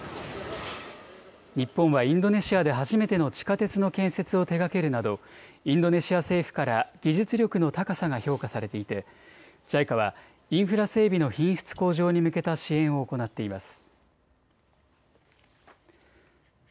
日本はインドネシアで初めての地下鉄の建設を手がけるなどインドネシア政府から技術力の高さが評価されていてＪＩＣＡはインフラ整備の品質向上に向けた支援を行っています。